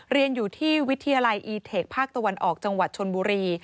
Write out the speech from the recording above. เรียนอยู่ที่วิทยาลัยอีเทคภาคตะวันออกจังหวัดชนบุรี